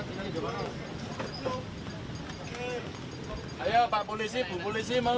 di tempat yang asli di jemaah